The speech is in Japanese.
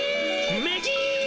めじ。